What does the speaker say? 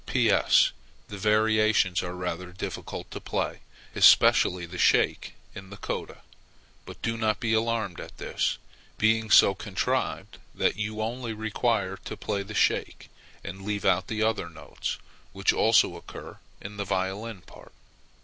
P.S. The variations are rather difficult to play, especially the shake in the Coda; but do not be alarmed at this, being so contrived that you only require to play the shake, and leave out the other notes, which also occur in the violin part.